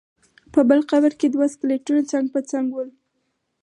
په بل قبر کې دوه سکلیټونه څنګ په څنګ ول.